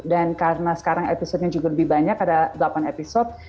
dan karena sekarang episodenya juga lebih banyak ada delapan episode